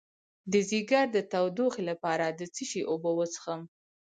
د ځیګر د تودوخې لپاره د څه شي اوبه وڅښم؟